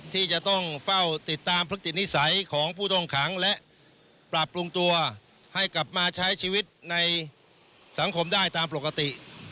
ที่จะต้องเฝ้าติดตามพฤตินิสัยของผู้ต้องขังและปรับปรุงตัวให้กลับมาใช้ชีวิตในสังคมได้ตามปกติ